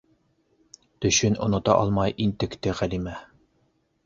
Төшөн онота алмай интекте Ғәлимә.